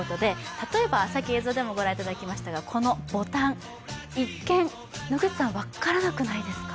例えば、さっき映像でもご覧いただきましたが、このボタン、一見、分からなくないですか？